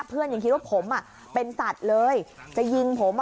เพื่อนยังคิดว่าผมเป็นสัตว์เลยจะยิงผม